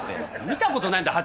見たことないんだよ